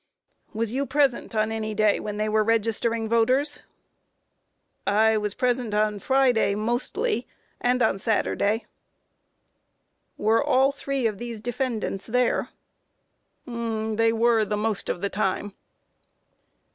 Q. Was you present on any day when they were registering voters? A. I was present on Friday mostly, and on Saturday. Q. Were all three of these defendants there? A. They were the most of the time.